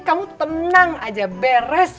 kamu tenang aja beres